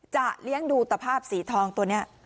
เลี้ยงดูตะภาพสีทองตัวนี้